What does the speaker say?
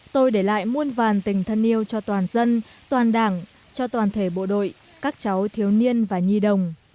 tôi để lại muôn vàn tình thân yêu cho toàn dân toàn đảng cho toàn thể bộ đội các cháu thiếu niên và nhi đồng